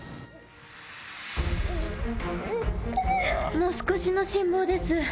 もう少しの辛抱です。